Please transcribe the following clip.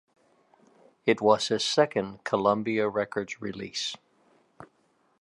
It was his second Columbia Records release.